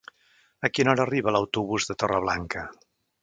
A quina hora arriba l'autobús de Torreblanca?